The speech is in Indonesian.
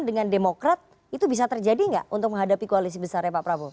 dengan demokrat itu bisa terjadi nggak untuk menghadapi koalisi besarnya pak prabowo